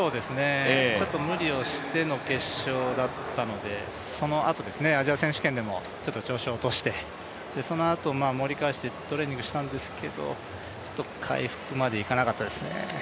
ちょっと無理をしての決勝だったのでそのあと、アジア選手権でもちょっと調子を落としてそのあと、盛り返してトレーニングしたんですけど回復までいかなかったですね。